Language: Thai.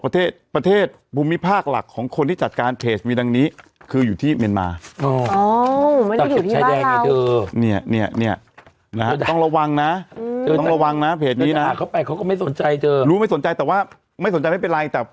แต่คนที่กำลังจะเป็นเหยื่อเนี่ย